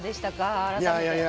改めて。